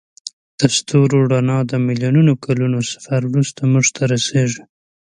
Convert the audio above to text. د ستوري رڼا د میلیونونو کلونو سفر وروسته موږ ته رسیږي.